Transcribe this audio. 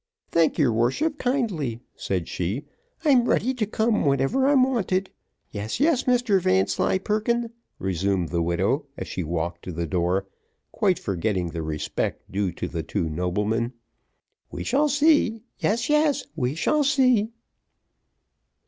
"Thank your worship kindly," said she, "I'm ready to come whenever I'm wanted. Yes, yes, Mr Vanslyperken," resumed the widow, as she walked to the door, quite forgetting the respect due to the two noblemen, "we shall see; yes, yes, we shall see."